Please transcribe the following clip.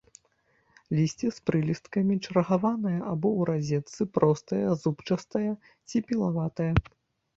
Лісце з прылісткамі, чаргаванае або ў разетцы, простае, зубчастае ці пілаватае.